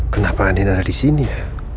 kenapa andin ada disini ya